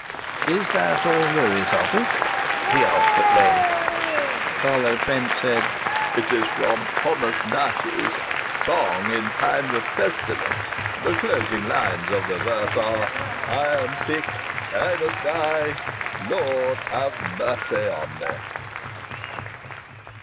"Is that all there is of it?" he asked at length. Carlo Trent said: "It's from Thomas Nashe's 'Song in Time of Pestilence.' The closing lines of the verse are: 'I am sick, I must die Lord, have mercy on me!'"